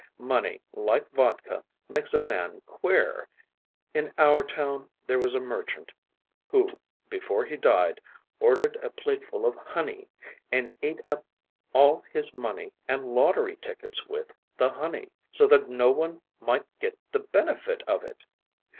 Money, like vodka, makes a man queer. In our town there was a merchant who, before he died, ordered a plateful of honey and ate up all his money and lottery tickets with the honey, so that no one might get the benefit of it.